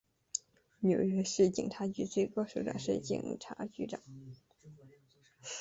纽约市警察局最高首长是警察局长。